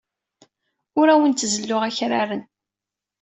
Ur awent-zelluɣ akraren.